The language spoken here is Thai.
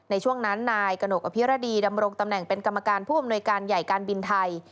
ในช่วงนั้นนายกระหนกอภิรดีดำรงตำแหน่งเป็นกรรมการผู้อำนวยการใหญ่การบินไทย